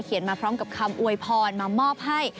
มาพร้อมกับคำอวยพรมามอบให้